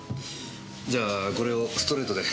じゃあこれをストレートで。